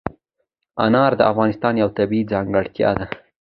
انار د افغانستان یوه طبیعي ځانګړتیا ده.